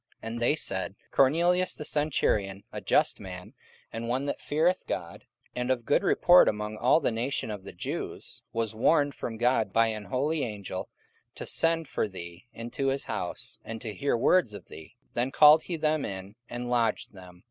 44:010:022 And they said, Cornelius the centurion, a just man, and one that feareth God, and of good report among all the nation of the Jews, was warned from God by an holy angel to send for thee into his house, and to hear words of thee. 44:010:023 Then called he them in, and lodged them.